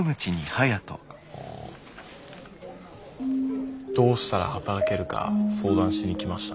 あのどうしたら働けるか相談しに来ました。